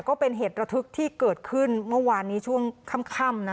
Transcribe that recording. ก็เป็นเหตุระทึกที่เกิดขึ้นเมื่อวานนี้ช่วงค่ำ